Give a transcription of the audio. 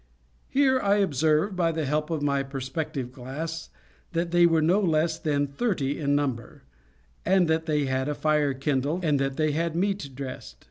Here I observed, by the help of my perspective glass, that they were no less than thirty in number; that they had a fire kindled, and that they had meat dressed.